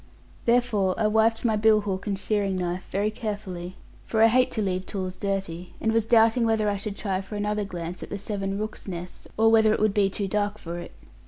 Therefore I wiped my bill hook and shearing knife very carefully, for I hate to leave tools dirty; and was doubting whether I should try for another glance at the seven rooks' nests, or whether it would be too dark for it.